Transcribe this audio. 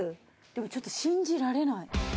でもちょっと信じられない。